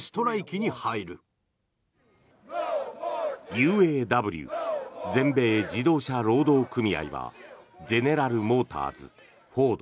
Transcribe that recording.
ＵＡＷ・全米自動車労働組合はゼネラルモーターズ、フォード